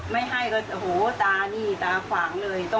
ไม่ให้ก็โอ้โหตานี่ตาขวางเลย